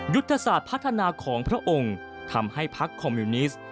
ยุทธศาสตร์พัฒนาของพระองค์ทำให้พักคอมมิวนิสต์